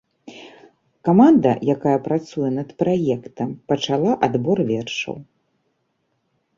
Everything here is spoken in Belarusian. Каманда, якая працуе над праектам, пачала адбор вершаў.